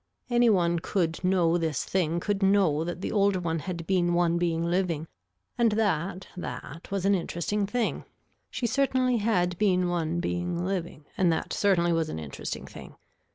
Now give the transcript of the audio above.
Any one could know this thing could know that the older one had been one being living and that that was an interesting thing. She certainly had been one being living and that certainly was an interesting thing.